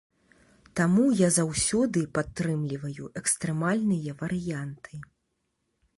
Таму я заўсёды падтрымліваю экстрэмальныя варыянты.